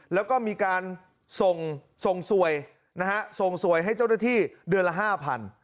แล้วก็มีการส่งส่งสวยนะฮะส่งสวยให้เจ้าหน้าที่เดือนละ๕๐๐